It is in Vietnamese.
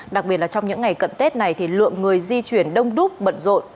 đặc biệt là trong những ngày cận tết này thì lượng người di chuyển đông đúc bận rộn